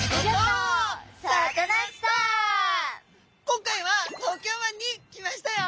今回は東京湾に来ましたよ！